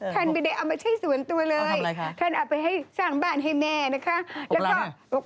ท่านไม่ได้เอามาใช้ส่วนตัวเลยท่านเอาไปให้สร้างบ้านให้แม่นะคะ